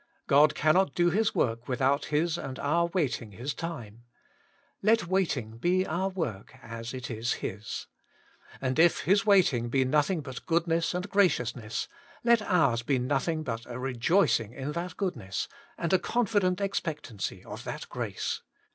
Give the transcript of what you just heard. God cannot do His work without His and our wait ing His time : let waiting be our work, as it is His. And if His waiting be nothing but good ness and graciousness, let ours be nothing but a rejoicing in that goodness, and a confident ex pectancy of that grace.